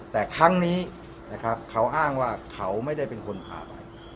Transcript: แต่ครั้งนี้นะครับเขาอ้างว่าเขาไม่ได้เป็นคนพาไป